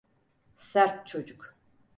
Sert çocuk.